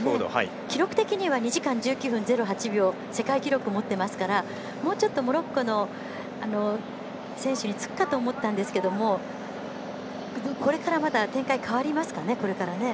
記録的には２時間１９分０８秒世界記録を持っていますからもうちょっとモロッコの選手につくかと思ったんですがこれからまだ展開変わりますかね。